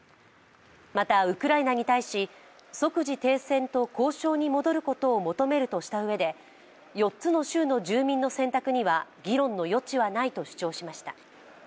また、ウクライナに対し、即時停戦と交渉に戻ることを求めるとしたうえで４つの州の住民の選択には議論の余地はないと主張しました。